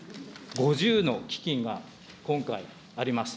５０の基金が今回あります。